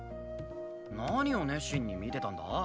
何を熱心に見てたんだ？